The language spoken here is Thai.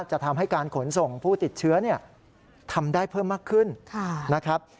จะทำให้การขนส่งผู้ติดเชื้อทำได้เพิ่มมากขึ้นนะครับ